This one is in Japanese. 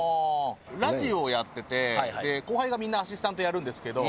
ラジオをやってて後輩がみんなアシスタントをやるんですけど。